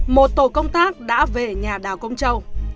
một tổ công tác đã về nhà đào công châu